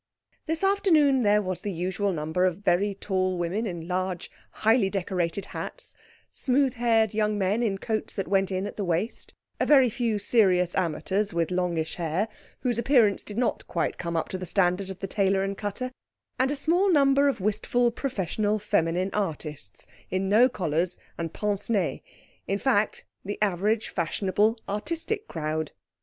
This afternoon there was the usual number of very tall women in large highly decorated hats, smooth haired young men in coats that went in at the waist, a very few serious amateurs with longish hair, whose appearance did not quite come up to the standard of the Tailor and Cutter, and a small number of wistful professional feminine artists in no collars and pince nez in fact, the average fashionable, artistic crowd.